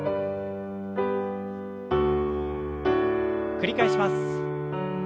繰り返します。